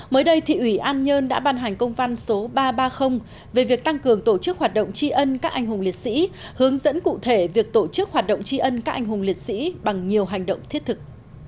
mới đây thị ủy an nhơn đã ban hành công văn số ba trăm ba mươi về việc tăng cường tổ chức hoạt động tri ân các anh hùng liệt sĩ hướng dẫn cụ thể việc tổ chức hoạt động tri ân các anh hùng liệt sĩ bằng nhiều hành động thiết thực